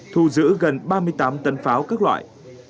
thu giữ gần ba mươi tám tấn pháo các loại